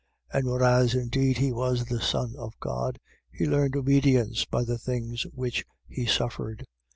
5:8. And whereas indeed he was the Son of God, he learned obedience by the things which he suffered.